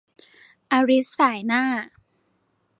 อลิซส่ายหน้า